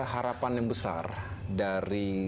harapan yang besar dari